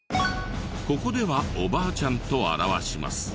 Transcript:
ここではおばあちゃんと表します。